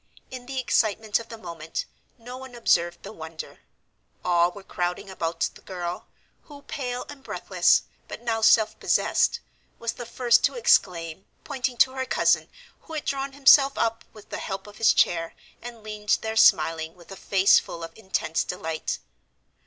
In the excitement of the moment, no one observed the wonder; all were crowding about the girl, who, pale and breathless but now self possessed, was the first to exclaim, pointing to her cousin, who had drawn himself up, with the help of his chair, and leaned there smiling, with a face full of intense delight.